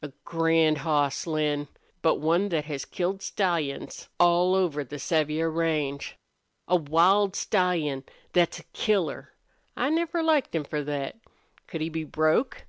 A grand hoss, Lin, but one thet has killed stallions all over the Sevier range. A wild stallion thet's a killer! I never liked him for thet. Could he be broke?"